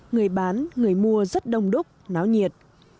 người bán người mua rất đông đúc náo nhiệt